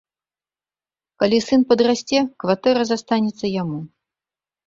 Калі сын падрасце, кватэра застанецца яму.